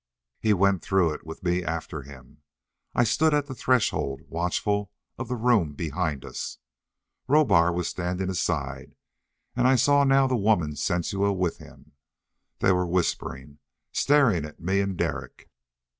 He went through it, with me after him. I stood at the threshold, watchful of the room behind us. Rohbar was standing aside, and I saw now the woman Sensua with him. They were whispering, staring at me and Derek.